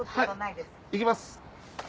いきます。